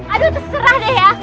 aduh terserah deh ya